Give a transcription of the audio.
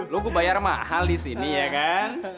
lo gue bayar mahal disini ya kan